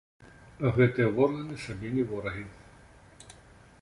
А гэтая органы сабе не ворагі.